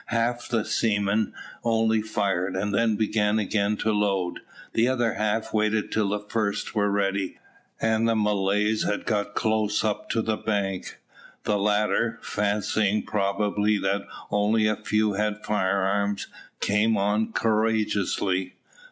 Half the seamen only fired, and then began again to load. The other half waited till the first were ready, and the Malays had got close up to the bank. The latter, fancying probably that only a few had firearms, came on courageously.